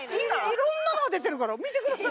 いろんなのが出てるから見てください。